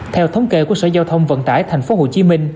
theo thống kê của sở giao thông vận tải tp hcm